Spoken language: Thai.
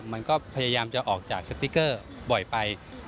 มันก็พยายามจะออกจากสติ๊กเกอร์บ่อยไป